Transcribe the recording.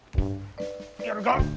やるか。